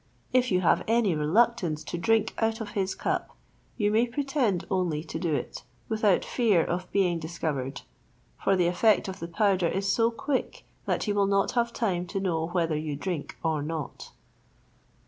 If you have any reluctance to drink out of his cup, you may pretend only to do it, without fear of being discovered; for the effect of the powder is so quick, that he will not have time to know whether you drink or not."